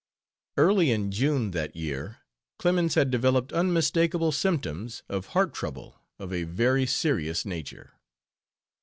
Early in June that year, Clemens had developed unmistakable symptoms of heart trouble of a very serious nature.